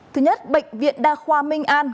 thứ nhất bệnh viện đa khoa minh an